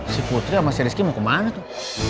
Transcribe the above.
si putri sama si rizky mau kemana tuh